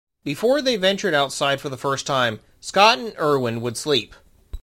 Before they ventured outside for the first time, Scott and Irwin would sleep.